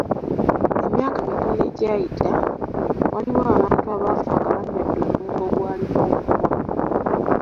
Emyaka mitono egyayita, waliwo abantu abaafa nga banywedde omwenge ogwalimu obutwa.